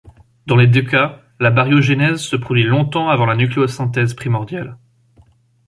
Dans les deux cas, la baryogénèse se produit longtemps avant la nucléosynthèse primordiale.